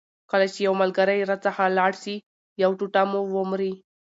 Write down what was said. کله چي یو ملګری راڅخه لاړ سي یو ټوټه مو ومري.